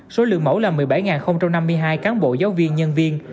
số lượng mẫu là một mươi bảy năm mươi hai cán bộ giáo viên nhân viên